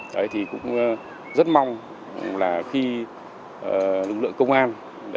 đấy thì cũng rất mong là khi lực lượng công an